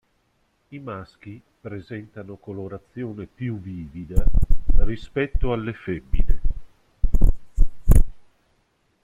I maschi presentano colorazione più vivida rispetto alle femmine.